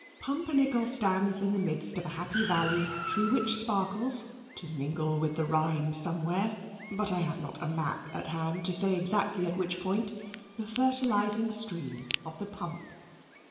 Pumpernickel stands in the midst of a happy valley through which sparkles to mingle with the Rhine somewhere, but I have not the map at hand to say exactly at what point the fertilizing stream of the Pump.